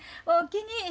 おおきに。